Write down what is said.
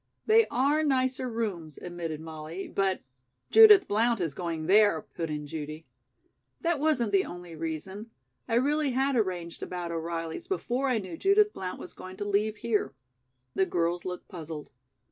"They are nicer rooms," admitted Molly, "but " "Judith Blount is going there," put in Judy. "That wasn't the only reason. I really had arranged about O'Reilly's before I knew Judith Blount was going to leave here." The girls looked puzzled.